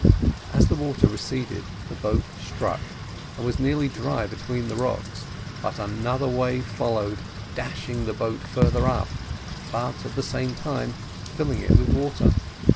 As the water receded, the boat struck, and was nearly dry between the rocks, but another wave followed, dashing the boat farther up, but, at the same time, filling it with water.